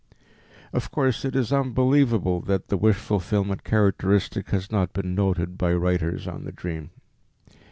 Of course it is unbelievable that the wish fulfillment characteristic has not been noted by writers on the dream.